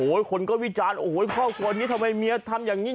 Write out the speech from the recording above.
โอ้วคนก็วิจารณ์โอ้โฮพ่อคนทำไมเซมียทำอย่างนี้นี่